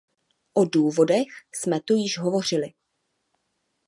O důvodech jsme tu již hovořili.